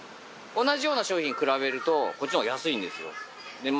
同じような商品比べるとこっちの方が安いんですよ。